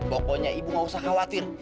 pokoknya ibu gak usah khawatir